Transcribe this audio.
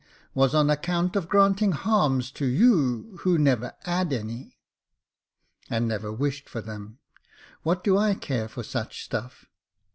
was on account of granting ^arms to you, who never ^ad any." " And never wished for them. What do I care for such stuff?"